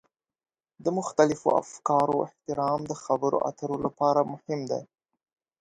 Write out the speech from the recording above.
د مختلفو افکارو احترام د خبرو اترو لپاره مهم دی.